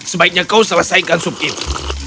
sebaiknya kau selesaikan sup itu